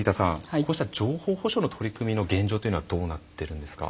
こうした情報保障の取り組みの現状というのはどうなってるんですか？